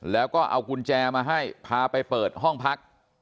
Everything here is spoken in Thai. แล้วก็เอากุญแจมาให้พาไปเปิดห้องพัก